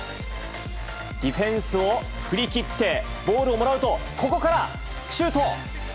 ディフェンスを振り切って、ボールをもらうと、ここからシュート。